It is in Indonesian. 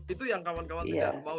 itu yang kawan kawan tidak mau